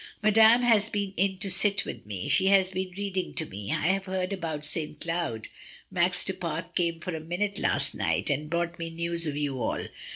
"Madame has been in to sit with me. She has been reading to me. I have heard all about St. Cloud. Max du Pare came for a minute last night, and brought me news of you all.